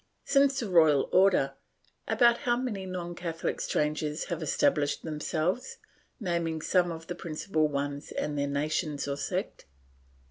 Since the royal order, about how many non Catholic strangers have estab lished themselves, naming some of the principal ones and their nation or sect?